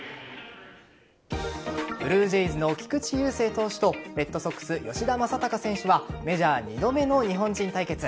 ブルージェイズの菊池雄星投手とレッドソックス・吉田正尚選手はメジャー２度目の日本人対決。